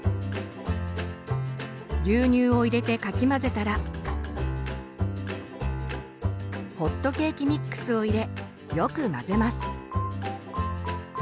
牛乳を入れてかき混ぜたらホットケーキミックスを入れよく混ぜます。